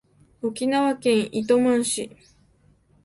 沖縄県糸満市